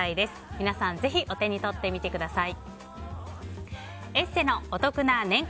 皆さん、ぜひお手に取ってみてください。